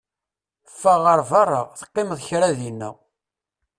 Ffeɣ ar beṛṛa, teqqimeḍ kra dinna!